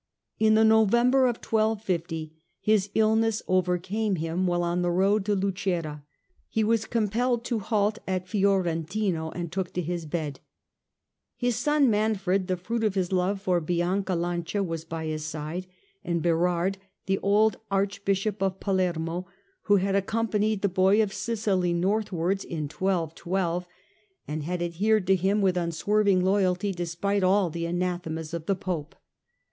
In the November of 1250 his illness overcame him while on the road to Lucera. He was compelled to halt at Fiorentino and took to his bed. His son Manfred, the fruit of his love for Bianca Lancia, was by his side, and Berard, the old Archbishop of Palermo, who had accompanied the Boy of Sicily northwards in 1212 and THE FALL OF NIGHT 277 had adhered to him with unswerving loyalty despite all the anathemas of the Pope.